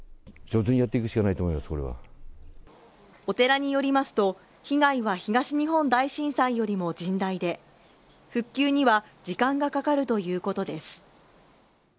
お寺によりますと被害は東日本大震災よりも甚大で復旧には時間がかかるということです